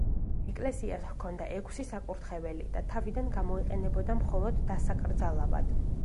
ეკლესიას ჰქონდა ექვსი საკურთხეველი და თავიდან გამოიყენებოდა მხოლოდ დასაკრძალავად.